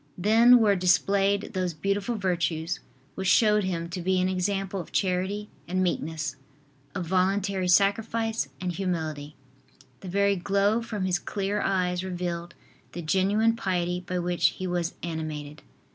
Then were displayed those beautiful virtues which showed him to be an example of charity and meekness, of voluntary sacrifice and humility. The very glow from his clear eyes revealed the genuine piety by which he was animated.